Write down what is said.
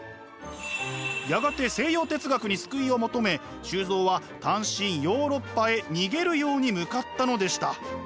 やがて西洋哲学に救いを求め周造は単身ヨーロッパへ逃げるように向かったのでした。